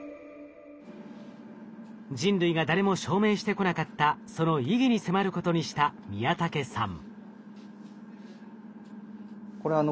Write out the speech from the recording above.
人類が誰も証明してこなかったその意義に迫ることにした宮竹さん。